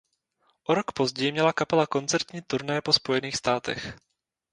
O rok později měla kapela koncertní turné po Spojených státech.